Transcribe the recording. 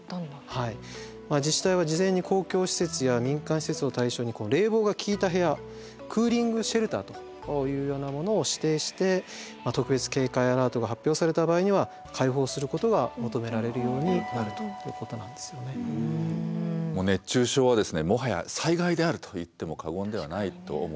自治体は事前に公共施設や民間施設を対象に冷房が効いた部屋クーリングシェルターというようなものを指定して特別警戒アラートが発表された場合には開放することが求められるようになるということなんですよね。といっても過言ではないと思うんですよね。